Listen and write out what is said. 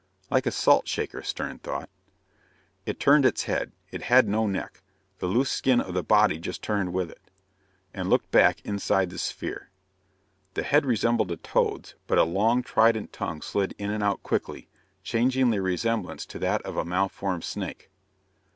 Like a salt shaker, Stern thought. It turned its head it had no neck; the loose skin of the body just turned with it and looked back inside the sphere. The head resembled a toad's, but a long trident tongue slid in and out quickly, changing the resemblance to that of a malformed snake.